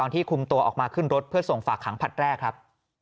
มีอะไรอย่างนี้มีอะไรอย่างนี้ครับ